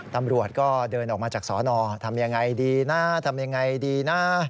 ตำรวจก็เดินออกมาจากสอนอทำยังไงดีนะทำยังไงดีนะ